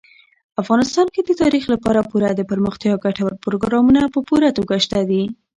افغانستان کې د تاریخ لپاره پوره دپرمختیا ګټور پروګرامونه په پوره توګه شته دي.